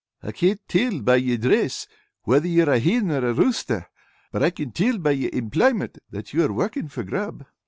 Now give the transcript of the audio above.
"I can't till by your dress whether you are a hin or a rooster. But I can till by your employmint that you are working for grub.